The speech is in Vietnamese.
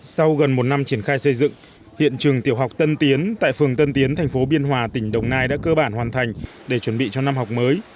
sau gần một năm triển khai xây dựng hiện trường tiểu học tân tiến tại phường tân tiến thành phố biên hòa tỉnh đồng nai đã cơ bản hoàn thành để chuẩn bị cho năm học mới